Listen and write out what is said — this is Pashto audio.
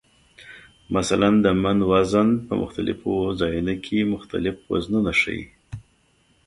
مثلا د "من" وزن په مختلفو ځایونو کې مختلف وزنونه ښیي.